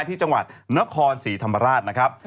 ที่จังหวัดนครศรีธรรมราชนะครับ